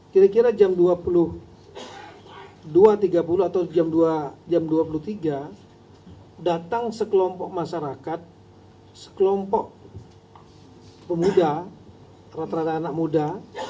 kira kira jam dua tiga puluh atau jam dua puluh tiga datang sekelompok masyarakat sekelompok pemuda rata rata anak muda